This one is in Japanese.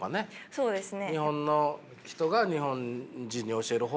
そうですね。